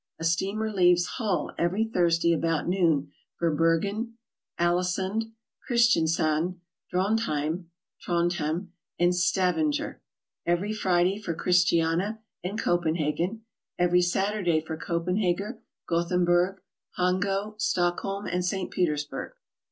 A steamer leaves Hull every Thursday about noon for Bergen, Aalesund, Christiansand, Drontheim (Trondhjem), and Stavanger. Everv Friday for Christiania and Copenhagen; every Satur day for Copenhagen, Gothenburg, Hango, Stockholm and St. Petersburg.